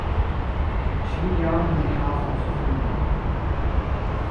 Ŝi jam ne havos filon.